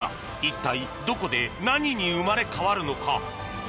コロナ禍の今、一体どこで何に生まれ変わるのか。